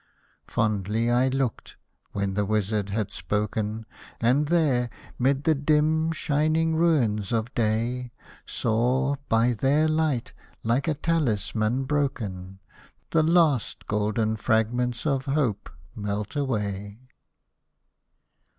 Fondly I looked, when the wizard had spoken, And there, mid the dim shining ruins of day, Saw, by their light, like a talisman broken, The last golden fragments of hope melt away.